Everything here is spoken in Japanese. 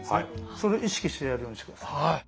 それ意識してやるようにして下さい。